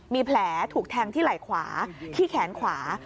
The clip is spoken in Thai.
มีแผลถูกแทงที่ไหล่ขวาที่แขนขวา